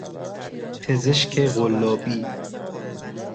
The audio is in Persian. پزشک قلابی